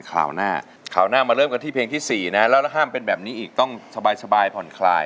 ข่าวหน้าข่าวหน้ามาเริ่มกันที่เพลงที่๔นะแล้วห้ามเป็นแบบนี้อีกต้องสบายผ่อนคลาย